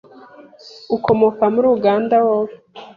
ukomoka muri Uganda wowe